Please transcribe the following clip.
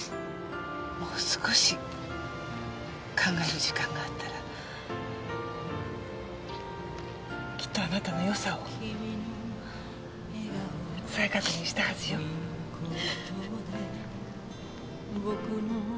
もう少し考える時間があったらきっとあなたのよさを再確認したはずよ。ね？